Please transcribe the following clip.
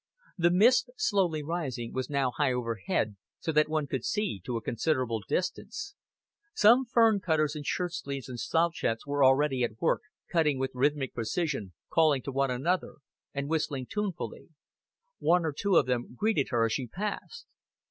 The mist slowly rising was now high overhead, so that one could see to a considerable distance. Some fern cutters in shirt sleeves and slouch hats were already at work, cutting with rhythmic precision, calling to one another, and whistling tunefully. One or two of them greeted her as she passed.